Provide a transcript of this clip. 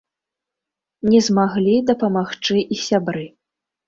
Не змаглі дапамагчы і сябры.